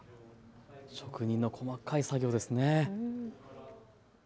職人の細かい作業ですね。